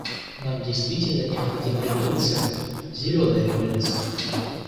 Нам действительно необходима революция — «зеленая революция».